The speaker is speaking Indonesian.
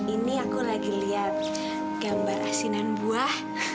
ini aku lagi lihat gambar asinan buah